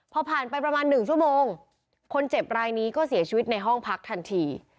พอผ่านไปประมาณ๑ชั่วโมงคนเจ็บรายนี้ก็เสียชีวิตในห้องพักทันที